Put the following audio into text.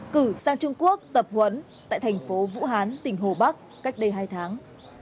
cử sang trung quốc tập huấn tại thành phố vũ hán tỉnh hồ bắc cách đây hai tháng